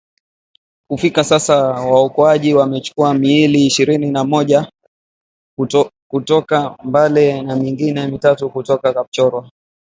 Kufikia sasa waokoaji wamechukua miili ishirini na moja kutoka Mbale na mingine mitatu kutoka Kapchorwa.